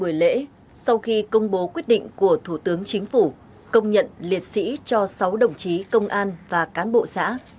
công an tỉnh đắk lắc đã tổ chức lễ công bố quyết định của thủ tướng chính phủ công nhận liệt sĩ cho sáu đồng chí công an và cán bộ xã